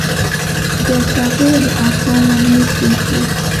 ګرچاپیره د اسمان لمنې سرې شوې.